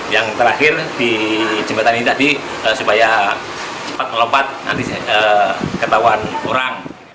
yang terakhir di jembatan ini tadi supaya cepat melompat nanti ketahuan orang